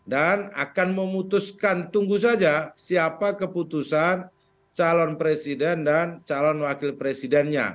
dan akan memutuskan tunggu saja siapa keputusan calon presiden dan calon wakil presidennya